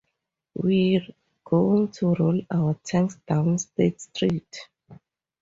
We're going to roll our tanks down State Street.